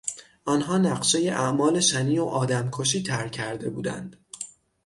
آنها نقشهی اعمال شنیع و آدمکشی طرح کرده بودند.